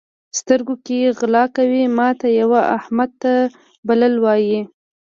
سترګو کې غلا کوي؛ ماته یوه، احمد ته بله وایي.